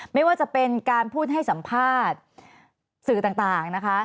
ไม่ว่าจะเป็นการพูดให้สัมภาษณ์สื่อต่างนะคะ